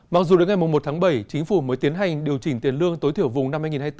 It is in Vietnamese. mặc dù đến ngày một tháng bảy chính phủ mới tiến hành điều chỉnh tiền lương tối thiểu vùng năm hai nghìn hai mươi bốn